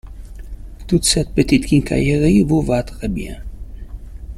Toute cette petite quincaillerie vous va très bien.